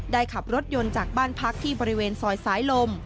ขับรถยนต์จากบ้านพักที่บริเวณซอยสายลม